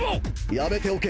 やめておけ！